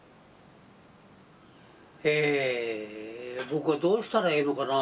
僕はどうしたらええのかな？